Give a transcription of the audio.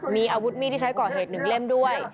มีอาวุธมีดที่ใช้ก่อเหตุ๑เล่มด้วย